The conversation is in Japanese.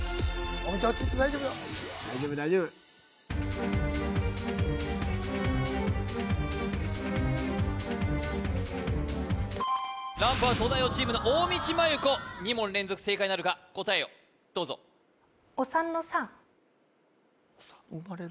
落ち着いて大丈夫よ大丈夫大丈夫ランプは東大王チームの大道麻優子２問連続正解なるか答えをどうぞお産産まれる？